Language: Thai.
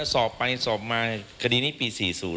สอบไปสอบมาคดีนี้ปี๔๐